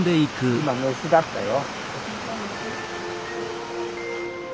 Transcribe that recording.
今メスだったよ。